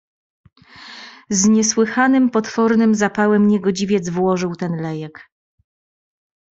"Z niesłychanym potwornym zapałem niegodziwiec włożył ten lejek..."